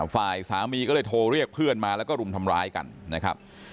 ฝ่ายสามีก็เลยโทรเรียกเพื่อนมาแล้วก็รุมทำร้ายกันนะครับ